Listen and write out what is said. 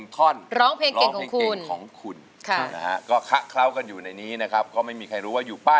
ตกผิดผ้าไม่ได้ตอบว่า